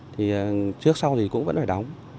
thì trước sau thì cũng vẫn phải đóng